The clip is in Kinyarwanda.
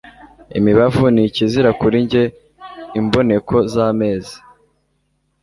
imibavu ni ikizira kuri jye, imboneko z'amezi